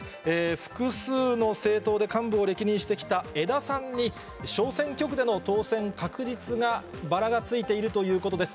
複数の政党で幹部を歴任してきた江田さんに、小選挙区での当選確実が、バラがついているということです。